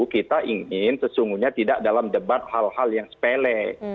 kita ingin sesungguhnya tidak dalam debat hal hal yang sepele